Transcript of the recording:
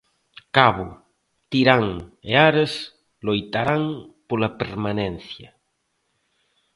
Cabo, Tirán e Ares loitarán pola permanencia.